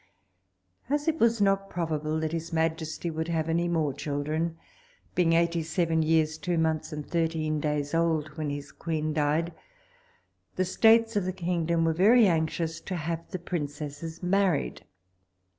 As it was not probable that his majesty would have any more children, being eighty seven years, two months, and thirteen days old when his queen died, the states of the kingdom were very anxious to have the princesses married.